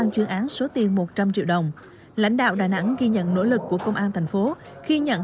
chuyên án số tiền một trăm linh triệu đồng lãnh đạo đà nẵng ghi nhận nỗ lực của công an thành phố khi nhận